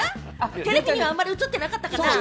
テレビにはあまり映ってなかったかな？